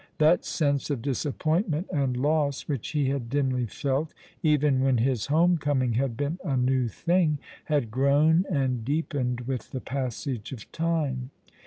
That sense of disajopointment and loss which he had dimly felt, even when his home coming had been a new thing, had grown and deepened with the passage of time.